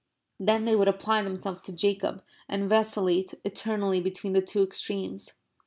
Then they would apply themselves to Jacob and vacillate eternally between the two extremes.